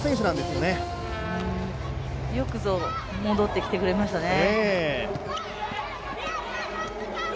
よくぞ戻ってきてくれましたね。